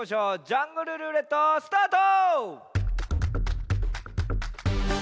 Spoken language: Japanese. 「ジャングルるーれっと」スタート！